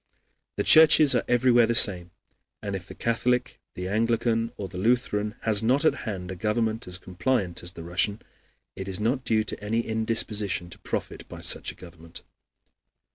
The churches are everywhere the same, and if the Catholic, the Anglican, or the Lutheran Church has not at hand a government as compliant as the Russian, it is not due to any indisposition to profit by such a government.